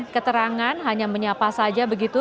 keterangan hanya menyapa saja begitu